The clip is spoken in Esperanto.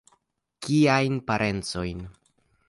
Kiajn parencojn?